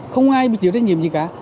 không ai chịu trách nhiệm gì cả